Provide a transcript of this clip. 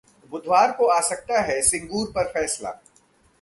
बुधवार को आ सकता है सिंगूर पर फैसला